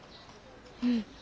うん。